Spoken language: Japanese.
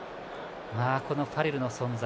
このファレルの存在